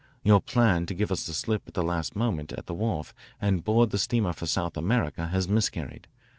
Your plan to give us the slip at the last moment at the wharf and board the steamer for South America has miscarried.